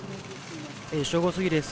正午過ぎです。